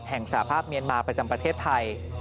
สาภาพเมียนมาประจำประเทศไทย